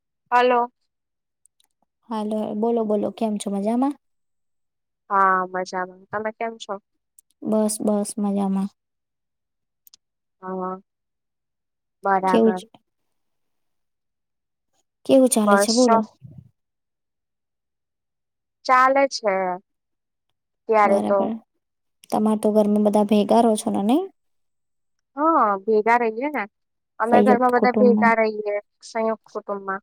[inaudible] હાલ બોલો બોલો કેમ છો મજામાં. હા મજામાં તમે કેમ છો. બસ બસ મજામાં. [inaudible] કેવું બરાબર. ચ- કેવું ચાલે છે બસ જો, બોલો? ચાલે છે, ત્યારે તો તમાર તો ઘરમે બધા ભેગા રહો છો નને? હા ભેગા રહીએ ને અમે સંયુક્ત ઘરમાં બધા કુટુંબમાં ભેટા રહીએ સંયુક્ત કુટુંબમાં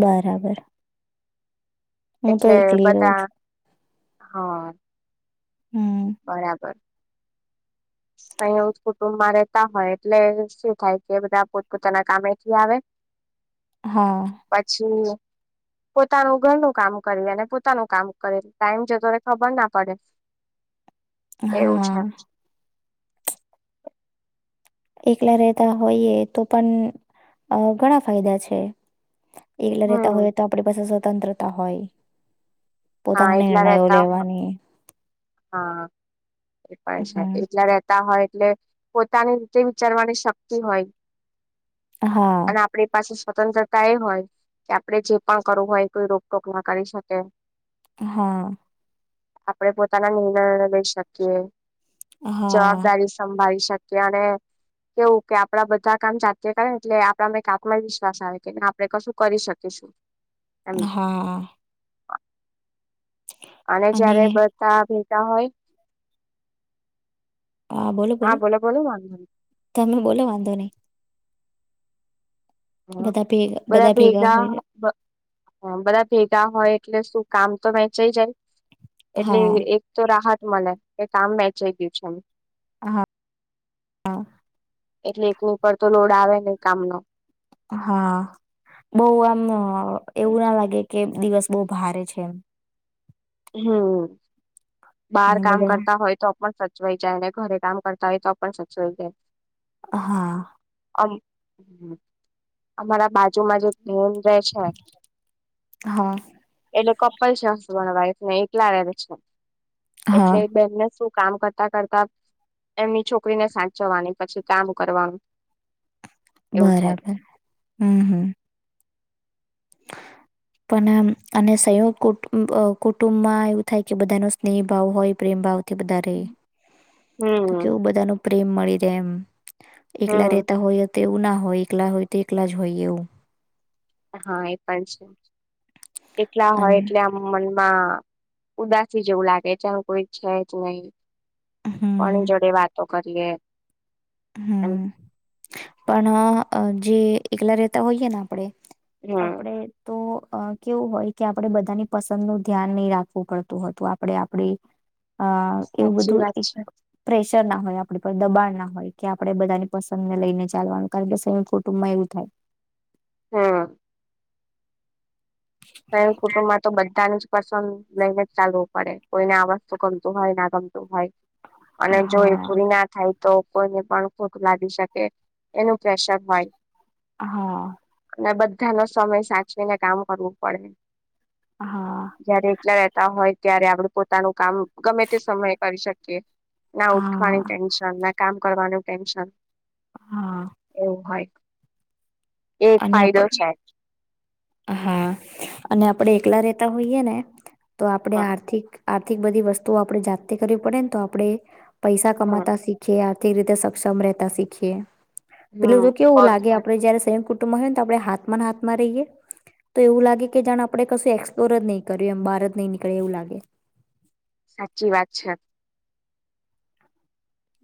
બરાબર હું તો એટલે એકલી રહું બધા છું. હા હમ્મ બરાબર અહીં એ કુટુંબ મારે હોય એટલે શું થાય, કે બધા પોતપોતાના કામેથી આવે હા પછી પોતાનું ઘરનું કામ કર અને પોતાનું કામ કરે ટાઈમ છેતો, ખબર ના પડે એવું છે હા એકલા રહેતા હોઈએ તો પણ ઘણા ફાયદા છે, એકલા રહેતા હમ હોય તો આપણી પાસે સ્વતંત્રતા હોય હા પોતાના એટલા નિર્ણયો રહેતા હોય. લેવાની, હા, એ પણ છે હમ એટલા રતા હોય એટલે પોતાની રીતે વિચારવાની શક્તિ હોય, હા અને આપડ પાસે સ્વતંત્રતા એ હોય કે આપડે જે પણ કરું હોય કોઈ રોકટોક ના કરી શકે હા આપડે પોતે તલા નિર્ણ લ શક્ય હા જવાબદારી સંભાળી શકે, કે કેવું કે આપડા બધા કામ જાતે કરેને એટલે આપણામાં એક આત્મવિશ્વાસ આવે કે આપડણે કશું કરી શકીશું. એમ હા, અને જયારે બધા ત હોય હા બોલો બોલો વાંધ તમે બોલો વાંધો નહી, હ બધા ભેગા બધા ભેગા હોય હા બધા ભેગા હોય એટલે શું કામ તો [unintelligible] જાય. એટલે હા એક તો રાહત. મને એ કામ વચાઈ ગયું છે. હા હા. એટલે [unintelligible] ઉપર તો લોડ આવે નહ કામનો. હા [unintelligible] આમ એવું ના લાગે કે. દિવસ બહુ ભારે છે, એમ. હમ. બહાર અને કામ બધા કરતા હોય તો પણ સ ચવાઈ જાય ને ઘરે કામ કરતા હોય તો પણ સચવાઈ જાય. હા. અમારા બાજુમાં જ [unintelligible] ધન હા [unintelligible] એલે પૈસા [unintelligible] [unintelligible] છે. હા એટલે [unintelligible] શું. કામ કરતા કરતા એમની છોકરીને સાચવાની પછી કામ કરવાનું. એવું થાય બરાબર હમ હમ. પણ આ અને સંયોગુું કુટુંબમાં એવું થાય કે બધા ન સ્નેહ ભાવ હોય પ્રેમ ભાવ. બારે તો હમ કેવું બધાનું. પ્રેમ મળી રહે એમ. એકલા હમ રહેતા હોય. તો એવું ના હોય એકલા હોય તો એકલા જ હોય એવું. હા એ પણ છે. એટલા હોય અને એટલે આમ મનમાં. ઉદાસી જેવું લાગેનું કોઈ છે, જ [unintelligible] કોની હમ જોડે વાતો. [unintelligible] એમ હમ [unintelligible] જે એકલા રહેતા હોઈએ ને આપણે. હમ આપડે તો. અ કેવું હોય કે આપણે બધાની પસંદ નું ધ્યાન નહી રાખવું પડતું હતું આપણે આપડી. અ એવું સાચી બધું વાત છે. [inaudible] ના હોય આપડ [unintelligible] દબાણ ના હોય. કે આપણેે બધાની પસંદને લઈને ચાલવાનું કારણ કે [unintelligible] કુટુંબમાં એવું થાય. હા. ત કુટુંબમાં તો બધાને જ પસંદ લઈને જ ચાલવું પડે કોઈને આવાજ તો ગમતું હોય ના ગમતું હોય અને જો એ હા પૂરી ના થાય તો કોઈને પણ ખોટ લાગી શકે એનું જૈશખભાઈ હા અને બધા બધા નો સમય સાચવીને કામ કરવું પડ હા જયારે એકલા રહેતા હોય ત્યારે આપડ પોતાનું કામ ગમે તે સમયે કરી શકીએ ના ઉઠવાની હા ટેન્શન ના કામ કરવાનું ટેન્શન [inaudible] હા એક અને ફાયદો આપણ છે હા અને આપડે એકલા રેતા હોઈએ ને તો આપણે હમ આર્થિક આર્થિક બધી વસ્તુઓ આપણે જાતે કરવી પડે ને તો આપણે પૈસા હમ કમાતા શીખે આ રીતે સક્ષમ રતા શીખીએ પેલ હમ તો કેવું પગ લાગે આપડે જયારે સયકુ મહેંત આપણે હાથમાં હાથમાં રહીયએ તો એવું લાગે કે જાણ આપડે કશું એક્સપ્લોર જ નહીં કર્યું એમ બહાર જ નહી નીકળે એવું લાગે સાચી વાત છે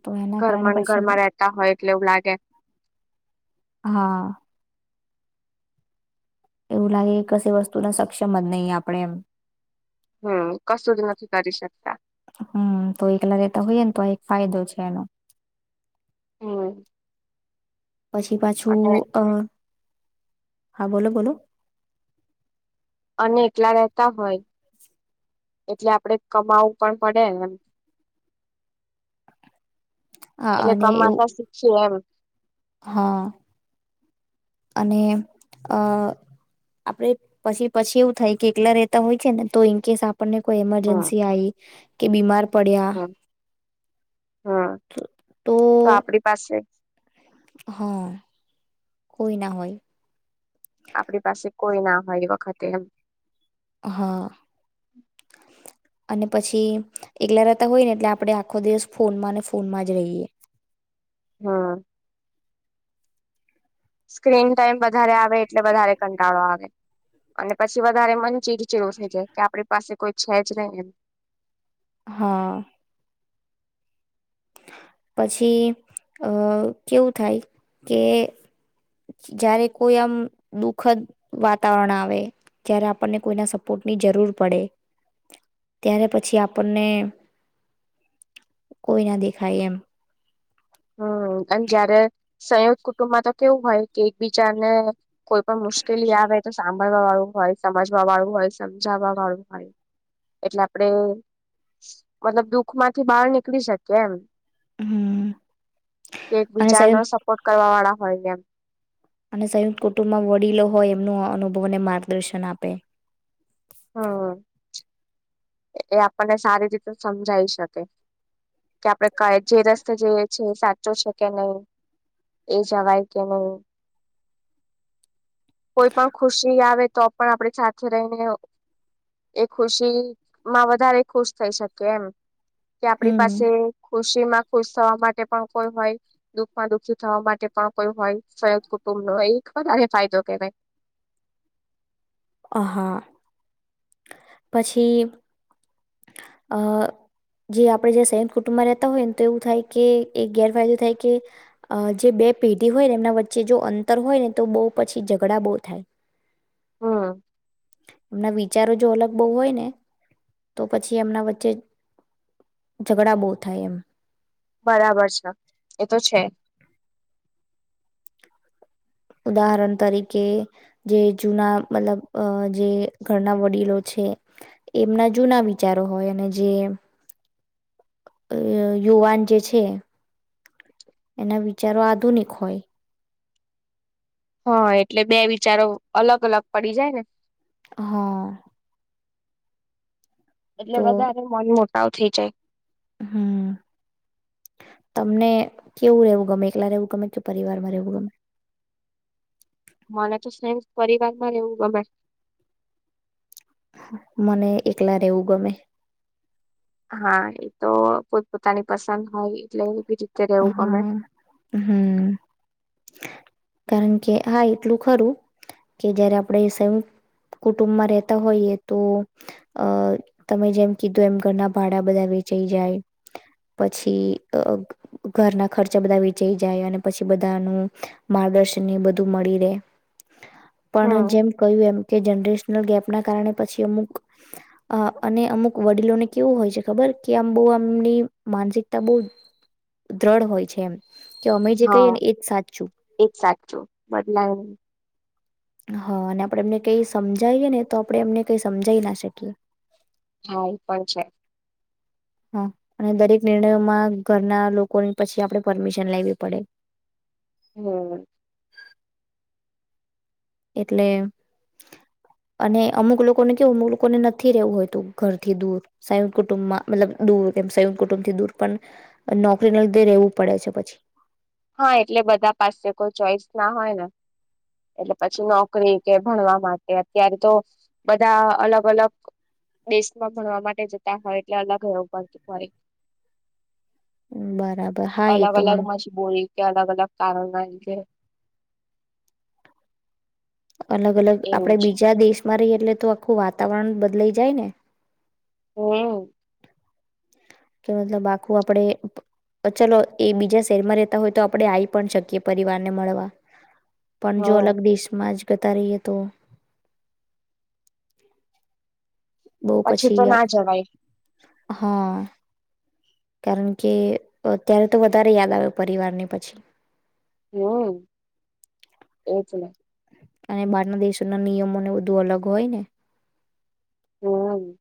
તો એના કારણે ઘરમાં પછી ઘરમાં રતા હોય એટલે એવું લાગે હા એવું લાગે કે કશ વસ્તુ ના સક્ષમ જ નહીં આપણેે એમ હમ કશું જ નથી કરી શકતા હમ તો એકલા રહેેતા હોઈય ને તો એક ફાયદો છે એનો હમ પછી અને પાછું અ હા બોલો બોલો અને એટલા રહેેતા હોય એટલે આપડે કમાવવું પણ પડે એમ હા એટલે અને એવું કમાતા શીખી એમ હા અને અ આપડે પછી પછી એવું થાય કે એકલા રહેેતા હોય છે ને તો ઇનકેસ આપને કોઈ હમ એમરજન્સી આવી કે બીમાર પડ્યા હમ હમ તો આપડી પાસે હા કોઈ ના હોય આપણી પાસે કોઈ ના હોય એ વખતે એમ હા. અને પછી એકલા રહેતા હોય ને એટલે આપણે આખો દિવસ ફોનમાં ને ફોનમાં જ રહીએ. હા. સ્ક્રીન ટાઈમ વધારે આ વે એટલે વધારે કંટાળો આવે. અને પછી વધારે મને ચીડ ચડો થઈ જાય કે આપડે પાસે કોઈ છે જ નહીં. હા. પછી અ કેવું થાય કે જયારે કોઈ આમ દુખદ વાતાવરણ આવે જય્યારે આપણને કોઈના સપોર્ટ ની જરૂર પડે, ત્યારે પછી આપણને કોઈના દે થાય એમ હમ અને જયારે સંયક્ત કુટુંબમાં તો કેવું હોય કે એક બીજાને કોઈ પણ મુશ્કેલી આવે તો સા વા વાળું હોય, સમજવા વાળું હોય, સમજાવવા વાળું હોય, એટલે આપડે મતલબ દુખ માંથી બહાર નીકળી શકીએ. એમ હમ્મ. કે એક બિચાર નો સપોર્ટ કરવા વાળા હોય એમ અને સંયુક્ત કુટુંબમાં વડીલો હોય એમનું અનુભવને માર્ગદર્શન આપે. હમ્મ, એ આપણને સારી રીતે સમજાઈ શકે. કે આપણે કઈ જે રસ્તે જઈએ છી એ સાચો છે કે નહી એ જવાય કે નહી. કોઈ પણ ખુશી આવે તો પણ આપડી સાથે રહીને એ ખુશી માં વધારે ખુશ થઈ શકે એમ. કે આપડી હમ પાસે ખુશી માં ખુશ થવા માટે પણ કોઈ હોય દુઃખમાં દુઃખી થવા માટે પણ કોઈ હોય, સરદ કુટુંબ નો એક વધારે ફાયદો. કહેવાય. હા. પછી અ જે આપણે જે સંયુક્ત કુટુંબમાં રહેતા હોય ને તો એવું થાય કે એક ગેરફાયદો થાય, કે જે બે પેઢી હોય ને એમના વચ્ચે જો અંતર હોય ને તો બહુ પછી ઝઘડા બહુ થાય. હમ ના બી બચારો જો અલગ બહુ હોય ને તો પછી એમના વચ્ચે ઝઘડા બહુ થાય, એમ બરાબર છે, એ તો છે. ઉદાહરણ તરીકે જે જૂના મતલબ જે ઘરના વડીલો છે. એમના જૂના વિચારો હોય અને જે યુવાન જે છે, એના વિચારો આધુનિક હોય. હા એટલે બે વિચારો અલગ-અલગ પડી જાય ને હા. એટલે વધારે મન સાવ થય જાય. હમ્મ, તમને કેવું રહેવું ગમે એકલા રહેવું ગમે કે પરિવારમાં રહેવું ગમે. મને તો સેમ પરિવાર માં રહેવું ગમે. મને એકલા રહેવું ગમે. હા એ તો પોતપતાની પસંદ હોય એટલે બીજું હા, હમ્મ. કારણ કે હા એટલું ખરું કે જયારે આપણે સંયુક્ત કુટુંબમાં રહેતા હોઈએ તો અ તમે જેમ કીધું એમ ઘરના ભાડા બધા વેચાઈ જાય પછી ઘરના ખર્ચા બધા વેચઈ જાય અને પછી બધાનું માર્ગદર્શન એ બધું મળી રે પણ હમ જેમ કયુ એમ કે જનરેશનલ ગેપના કારણે પછી અમુક અ અને અમુક વડીલોને કેવું હોય છે ખબર કે આમ બહુ આમની માનસિકતા બહુ દ્રળ હોય છે એમ કે અમે જે કહીએ હા ને એજ સાચું એજ સાચું બદલાય હા અને આપણે એમને કઈ સમજાવીએ ને તો આપણે એમને કઈ સમજાઈ ના શકીએ. હા એ પણ છે. હા અને દરેક નિર્ણયોમાં ઘરના લોકોની પછી આપણે પરમિશન લેવી પડે હમ એટલે અને અમુક લોકોને કેવું અમુક લોકોને નથી રેવું હોયતું ઘરથી દૂર સંયુક્ત કુટુંબમાં મતલબ દૂર એમ સંયુક્ત કુટુંબથી દૂર પણ નોકરી ના લીધે રેવું પડે છે પછી હા એટલે બધા પાસે કોઈ ચોઈસ ના હોય ને એટલે પછી નોકરી કે ભણવા માટે અત્યારે તો બધા અલગ અલગ દેશમાં ભણવા માટે જતા હોય એટલે અલગ રેવું પડતું હોય. બરાબર હા એ અલગ તો અલગ મને માછી બોલી કે અલગ અલગ કારણ કે અલગ અલગ એવું આપડે છે. બીજા દેશમાં રહીએ. એટલે તો આખું વાતાવરણ બદલાઈ જાય ને હમ કે મતલબ આખું આપડે ચલો એ બીજા શહેરમાં રેતા હોય તો આપણેે આવી પણ શકીએ પરિવારને મળવા પણ જો અલગ હમ દેશમાં જ- જતા રહીએ તો બોવ તો પછી ના જવાય હા કારણ કે અત્યારે તો વધારે યાદ આવે પરિવારને પછી હમ એજ ને અને બહારના દેશો ના નિયમોને બધું અલગ હોય ને હમ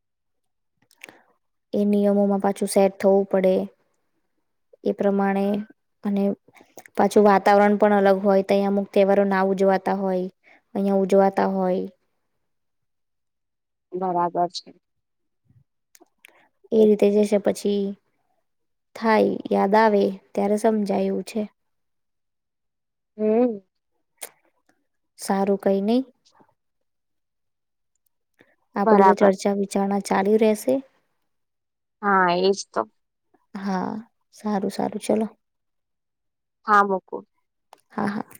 એ નિયમોમાં પાછું સેટ થવું પડે એ પ્રમાણે અને પાછું વાતાવરણ પણ અલગ હોય તો અહીંયા અમુક તહેવારો ના ઉજવાતા હોય અહિયાં ઉજવાતા હોય બરાબર છે. એ રીતે જે પછી થાય યાદ આવે ત્યારે સમજાયું છે. હમ સારું કઈ નહી આપડી તો બરાબર ચર્ચા વિચારણા ચાલી રહેશે હા એજ તો હા સારું સારું ચલો હા મોકુ હા હા